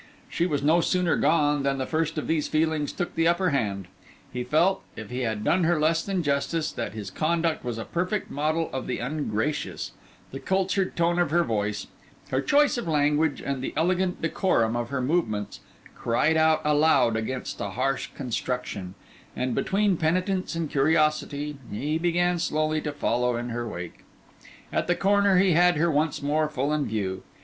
She was no sooner gone than the first of these feelings took the upper hand; he felt, if he had done her less than justice, that his conduct was a perfect model of the ungracious; the cultured tone of her voice, her choice of language, and the elegant decorum of her movements, cried out aloud against a harsh construction; and between penitence and curiosity he began slowly to follow in her wake. At the corner he had her once more full in view.